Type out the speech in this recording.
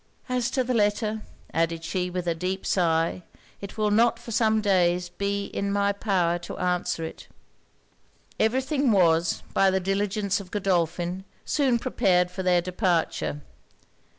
'As to the letter,' added she, with a deep sigh, 'it will not for some days be in my power to answer it.' Every thing was, by the diligence of Godolphin, soon prepared for their departure.